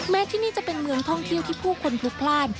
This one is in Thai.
ที่นี่จะเป็นเมืองท่องเที่ยวที่ผู้คนพลุกพลาด